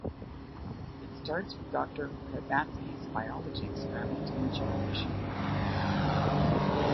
It starts with Doctor Pragmatski's biology experiment in "The Generation Gap".